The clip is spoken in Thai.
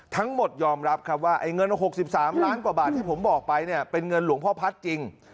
ทั้งหมดยอมรับครับว่าไอ้เงิน๖๓ล้านกว่าบาทที่ผมบอกไปเนี่ยเป็นเงินหลวงพ่อพัฒน์จริง